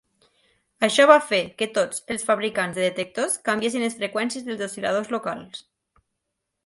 Això va fer que tots els fabricants de detectors canviessin les freqüències dels oscil·ladors locals.